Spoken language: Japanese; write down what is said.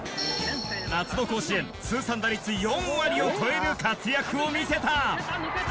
夏の甲子園通算打率４割を超える活躍を見せた。